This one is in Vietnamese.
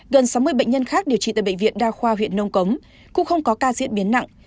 gần sáu mươi bệnh nhân khác điều trị tại bệnh viện đa khoa huyện nông cống cũng không có ca diễn biến nặng